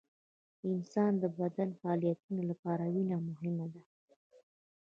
د انسان د بدني فعالیتونو لپاره وینه مهمه ده